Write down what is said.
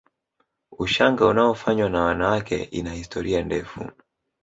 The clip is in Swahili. Ushanga unaofanywa na wanawake ina historia ndefu